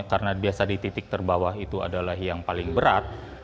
karena biasa di titik terbawah itu adalah yang paling berat